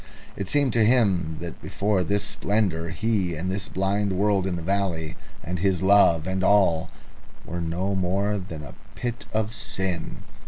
It seemed to him that before this splendour he, and this blind world in the valley, and his love, and all, were no more than a pit of sin.